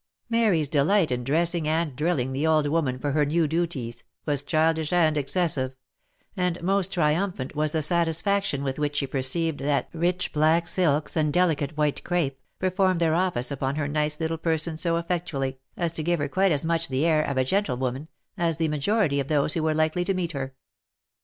Mary's delight in dressing and drilling the old woman for her new duties, was childish and excessive ; and most triumphant was the satisfaction with which she perceived that rich black silks, and delicate white crape, performed their office upon her nice little per son so effectually, as to give her quite as much the air of a gentle woman, as the majority of those who were likely to meet her.